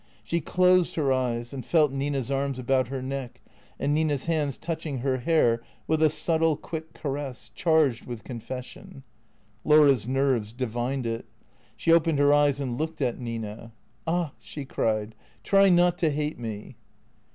She closed her eyes and felt Nina's arms about her neck, and Nina's hands touching her hair with a subtle, quick caress, charged with confession. Laura's nerves divined it. She opened her eyes and looked at Nina. " Ah," she cried, " try not to hate me."